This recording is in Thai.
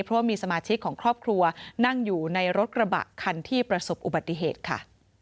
เพราะว่ามีสมาชิกของครอบครัวนั่งอยู่ในรถกระบะคันที่ประสบอุบัติเหตุค่ะ